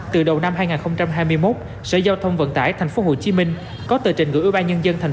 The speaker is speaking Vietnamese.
từ đầu năm hai nghìn hai mươi một sở giao thông vận tải thành phố hồ chí minh có tờ trình gửi ủy ban nhân dân thành